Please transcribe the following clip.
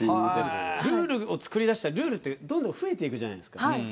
ルールを作り出したらルールってどんどん増えていくじゃないですか。